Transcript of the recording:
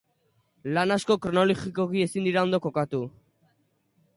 Lan asko kronologikoki ezin dira ondo kokatu.